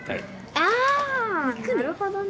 あなるほどね！